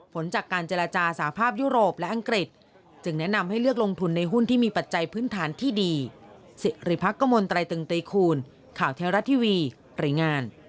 พักกระมวลไตรตึงตีคูณ